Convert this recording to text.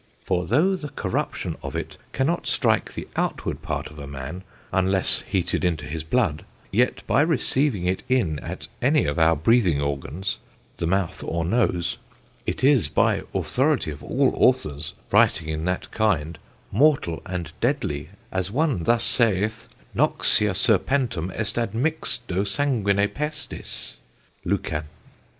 For though the corruption of it cannot strike the outward part of a man, unless heated into his blood; yet by receiving it in at any of our breathing organs (the mouth or nose) it is by authoritie of all authors, writing in that kinde, mortall and deadlie, as one thus saith: "Noxia serpentum est admixto sanguine pestis. LUCAN.